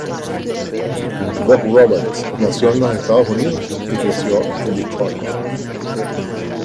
Vogt-Roberts nació en los Estados Unidos y creció en Detroit.